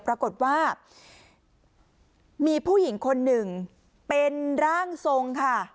ปรากฏว่ามีผู้หญิงคนหนึ่งเป็นร่างทรงค่ะ